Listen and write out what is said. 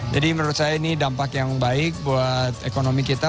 menurut saya ini dampak yang baik buat ekonomi kita